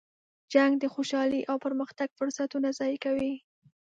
جنګ د خوشحالۍ او پرمختګ فرصتونه ضایع کوي.